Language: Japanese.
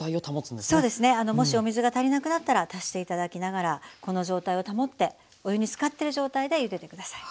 そうですねもしお水が足りなくなったら足して頂きながらこの状態を保ってお湯につかってる状態でゆでてください。